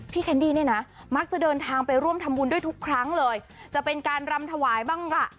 แคนดี้เนี่ยนะมักจะเดินทางไปร่วมทำบุญด้วยทุกครั้งเลยจะเป็นการรำถวายบ้างล่ะ